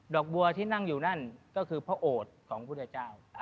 อกบัวที่นั่งอยู่นั่นก็คือพระโอดของพุทธเจ้า